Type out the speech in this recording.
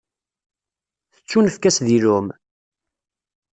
Tettunefk-as deg lεum.